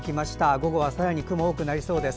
午後はさらに雲が多くなりそうです。